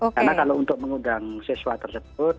karena kalau untuk mengundang siswa tersebut